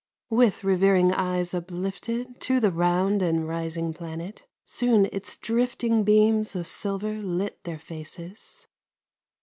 With revering eyes uplifted To the round and rising planet, Soon its drifting beams of silver Lit their faces.